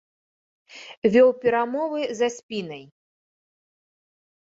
Вёў перамовы за спінай.